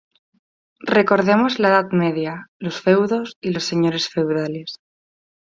Recordemos la Edad Media, los feudos y los señores feudales.